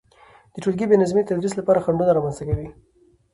د تولګي بي نظمي د تدريس لپاره خنډونه رامنځته کوي،